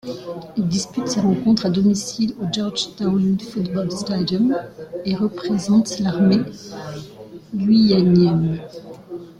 Il dispute ses rencontres à domicile au Georgetown Football Stadium et représente l'armée guyanienne.